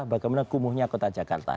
bagaimana kumuhnya kota jakarta